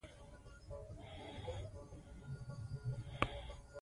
له هرچا سره بدي کوى او خپله د آرام ژوند توقع لري.